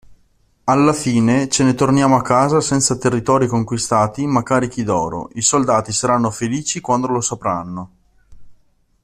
Alla fine, ce ne torniamo a casa senza territori conquistati ma carichi d'oro, i soldati saranno felici quando lo sapranno.